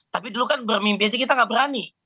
tapi dulu kan bermimpi aja kita nggak berani